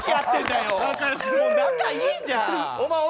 仲良いじゃん。